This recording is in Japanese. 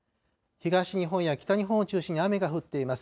東日本や北日本を中心に雨が降っています。